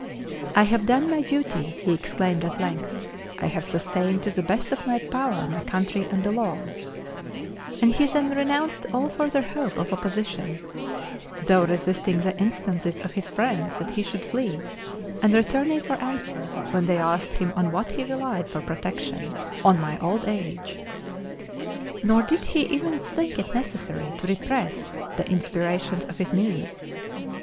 "I have done my duty (he exclaimed at length); I have sustained to the best of my power my country and the laws"; and he then renounced all further hope of opposition though resisting the instances of his friends that he should flee, and returning for answer, when they asked him on what he relied for protection, "On my old age." Nor did he even think it necessary to repress the inspirations of his Muse.